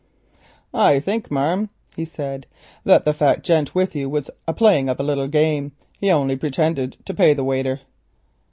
"I think, marm," he said, "that the fat gent with you was a playing of a little game. He only pretinded to pay the waiter."